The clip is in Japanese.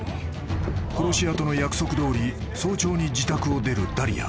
［殺し屋との約束どおり早朝に自宅を出るダリア］